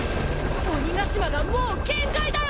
鬼ヶ島がもう限界だよ！